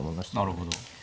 なるほど。